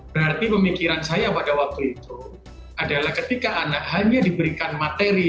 berarti pemikiran saya pada waktu itu adalah ketika anak hanya diberikan materi